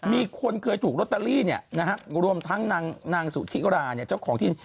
มีคนเคยถูกโรตเตอรี่นะครับรรวมทั้งนางสุธิราเจ้าของที่นี่